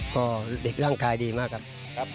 ก็เด็กร่างกายดีมากครับ